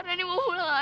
rani mau pulang